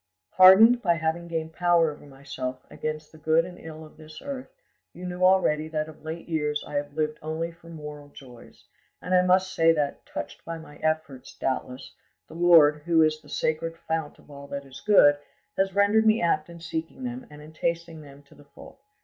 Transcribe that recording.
"Hardened, by having gained power over myself, against the good and ill of this earth, you knew already that of late years I have lived only for moral joys, and I must say that, touched by my efforts, doubtless, the Lord, who is the sacred fount of all that is good, has rendered me apt in seeking them and in tasting them to the full.